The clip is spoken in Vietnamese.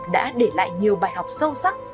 đã để lại nhiều bài học sâu sắc